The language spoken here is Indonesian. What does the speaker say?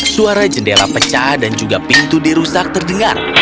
suara jendela pecah dan juga pintu dirusak terdengar